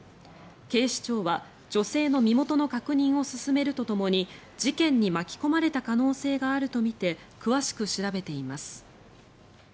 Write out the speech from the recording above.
警視庁は女性の身元の確認を進めるとともに事件に巻き込まれた可能性があるとみて詳しく調べています。